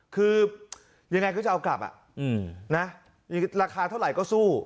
คือยังไงก็จะเอากลับราคาเท่าไหร่ก็สู้